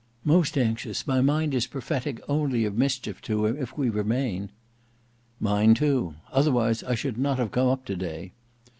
"Most anxious; my mind is prophetic only of mischief to him if we remain." "Mine too. Otherwise I should not have come up today."